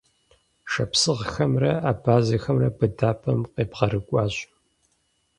Шапсыгъхэмрэ абазэхэхэмрэ быдапӀэм къебгъэрыкӀуащ.